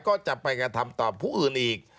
ก็จะไปกระทำต่อผู้อื่นอีก